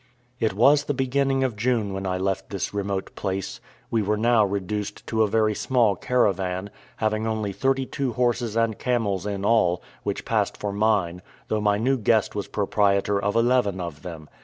It was the beginning of June when I left this remote place. We were now reduced to a very small caravan, having only thirty two horses and camels in all, which passed for mine, though my new guest was proprietor of eleven of them.